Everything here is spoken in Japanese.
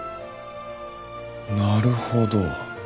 なるほど。